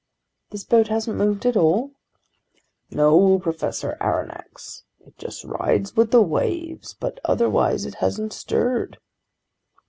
"This boat hasn't moved at all?" "No, Professor Aronnax. It just rides with the waves, but otherwise it hasn't stirred."